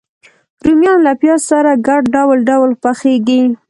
رومیان له پیاز سره ګډ ډول ډول پخېږي